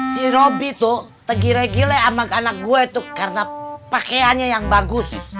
si robby tuh tegirai gilai sama anak gue tuh karena pakaiannya yang bagus